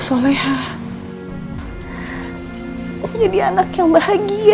sebentar ya pak